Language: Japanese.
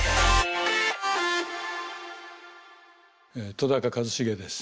戸一成です。